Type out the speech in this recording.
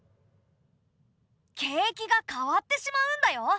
景気が変わってしまうんだよ！